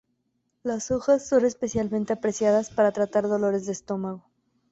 Las hojas son especialmente apreciadas para tratar dolores de estómago.